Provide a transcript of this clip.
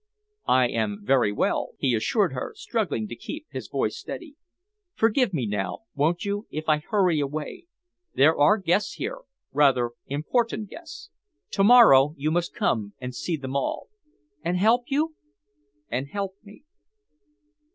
"I am very well," he assured her, struggling to keep his voice steady. "Forgive me now, won't you, if I hurry away. There are guests here rather important guests. To morrow you must come and see them all." "And help you?" "And help me."